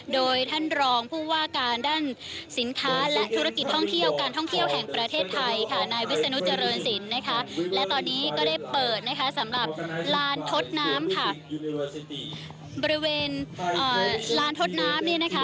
โดยท่านรองผู้ว่าการด้านสินค้าและธุรกิจท่องเที่ยวการท่องเที่ยวแห่งประเทศไทยค่ะนายวิศนุเจริญศิลป์นะคะและตอนนี้ก็ได้เปิดนะคะสำหรับลานทดน้ำค่ะบริเวณลานทดน้ำเนี่ยนะคะ